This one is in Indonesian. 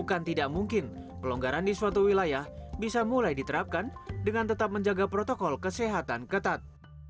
bukan tidak mungkin pelonggaran di suatu wilayah bisa mulai diterapkan dengan tetap menjaga protokol kesehatan ketat